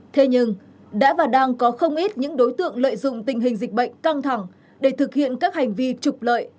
thế nhưng đã và đang có không ít những đối tượng lợi dụng tình hình dịch bệnh căng thẳng để thực hiện các hành vi trục lợi